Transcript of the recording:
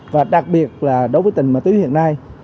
và đặc biệt là đối với tình mặt tuyến hiện nay